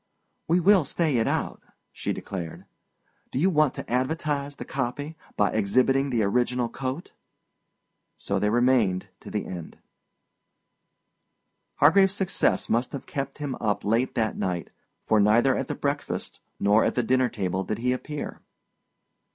"We will stay it out," she declared. "Do you want to advertise the copy by exhibiting the original coat?" So they remained to the end. Hargraves's success must have kept him up late that night, for neither at the breakfast nor at the dinner table did he appear.